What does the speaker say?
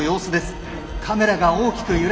カメラが大きく揺れています。